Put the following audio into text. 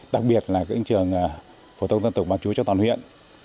đặc biệt là các trường phổ tông dân tục bán chú trong toàn huyện